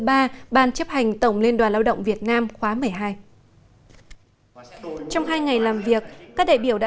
ba ban chấp hành tổng liên đoàn lao động việt nam khóa một mươi hai trong hai ngày làm việc các đại biểu đã